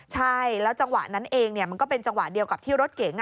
ใช่แล้วจังหวะนั้นเองมันก็เป็นจังหวะเดียวกับที่รถเก๋ง